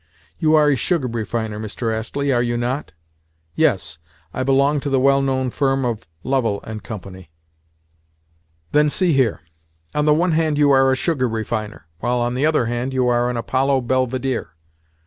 You are a sugar refiner, Mr. Astley, are you not?" "Yes, I belong to the well known firm of Lovell and Co." "Then see here. On the one hand, you are a sugar refiner, while, on the other hand, you are an Apollo Belvedere.